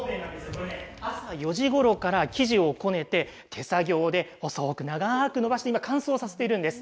これ朝４時ごろから生地をこねて手作業で細く長くのばして今乾燥させているんです。